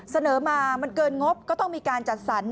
เสนอมามันเกินงบก็ต้องมีการจัดสรร